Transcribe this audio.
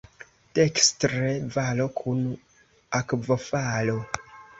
Dekstre valo kun akvofalo.